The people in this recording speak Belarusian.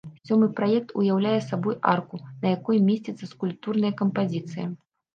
Сёмы праект уяўляе сабой арку, на якой месціцца скульптурная кампазіцыя.